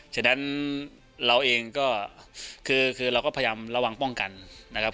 ฉะนั้นเราเองก็คือเราก็พยายามระวังป้องกันนะครับ